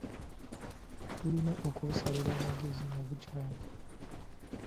Tulina okubusalira magezi nga bukyali.